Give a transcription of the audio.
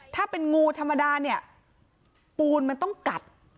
ถ้าเป็นงูธรรมดาเนี่ยปูนมันต้องกัด